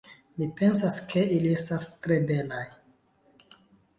Mi pensas, ke ili estas tre belaj